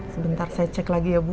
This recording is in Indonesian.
sebentar saya cek lagi ya bu